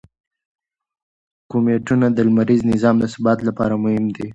کومیټونه د لمریز نظام د ثبات لپاره مهم دي.